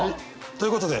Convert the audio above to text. ということで。